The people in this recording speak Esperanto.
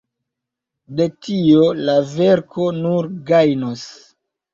De tio la verko nur gajnos.